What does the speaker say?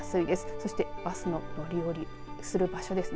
そしてバスの乗り降りする場所ですね。